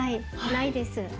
ないです。